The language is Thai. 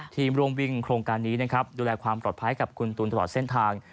ทีมร่วมวิ่งโครงการนี้นะครับดูแลความปลอดภัยกับคุณตูนตลอดเส้นทาง